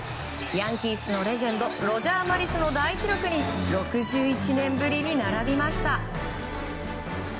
ヤンキースのレジェンドロジャー・マリスの大記録に６１年ぶりに並びました。